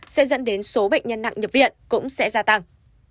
sẽ dẫn đến số bệnh nhân nặng nhập viện cũng sẽ gia tăng